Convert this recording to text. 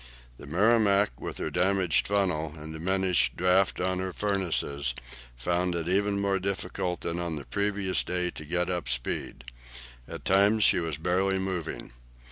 The "Merrimac," with her damaged funnel and diminished draught on her furnaces, found it even more difficult than on the previous day to get up speed. At times she was barely moving.